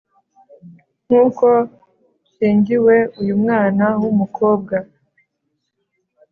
nk'uko nshyingiwe, uyu mwana w'umukobwa